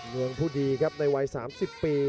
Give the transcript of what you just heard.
เมืองผู้ดีครับในวัย๓๐ปี